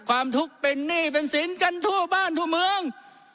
ความทุกข์เป็นหนี้เป็นสินกันทั่วบ้านทั่วเมือง